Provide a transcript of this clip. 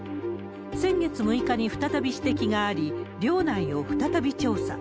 先月６日に再び指摘があり、寮内を再び調査。